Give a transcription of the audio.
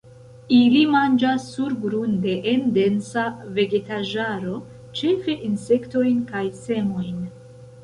Ili manĝas surgrunde en densa vegetaĵaro, ĉefe insektojn kaj semojn.